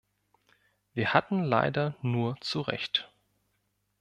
Wir hatten leider nur zu Recht.